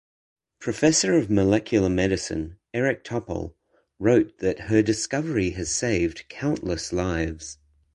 Professor of molecular medicine Eric Topol wrote that "her discovery has saved countless lives".